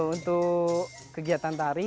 untuk kegiatan tari